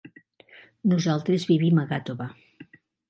Nosaltres vivim a Gàtova.